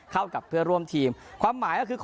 เข้ากับเพื่อนร่วมทีม